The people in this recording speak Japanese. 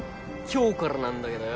今日からなんだけどよ。